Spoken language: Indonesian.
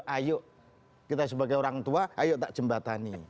ayo kita sebagai orang tua ayo tak jembatani